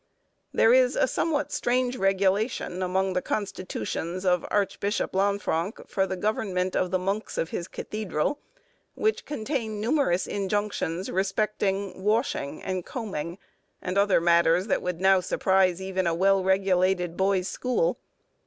There is a somewhat strange regulation among the constitutions of Archbishop Lanfranc for the government of the monks of his cathedral, which contain numerous injunctions respecting washing and combing, and other matters that would now surprise even a well regulated boys' school.